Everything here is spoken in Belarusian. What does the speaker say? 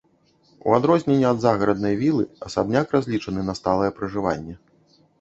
У адрозненне ад загараднай вілы, асабняк разлічаны на сталае пражыванне.